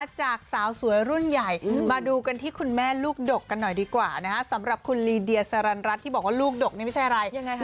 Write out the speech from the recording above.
จากสาวสวยรุ่นใหญ่มาดูกันที่คุณแม่ลูกดกกันหน่อยดีกว่านะฮะสำหรับคุณลีเดียสรรรัฐที่บอกว่าลูกดกนี่ไม่ใช่อะไรยังไง